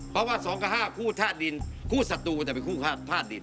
เพราะว่าสองกับห้าคู่ท่าดินคู่ศัตรูก็จะเป็นคู่ท่าดิน